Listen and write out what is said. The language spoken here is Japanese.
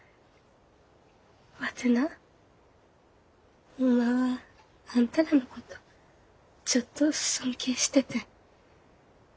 ワテなホンマはあんたらのことちょっと尊敬しててん。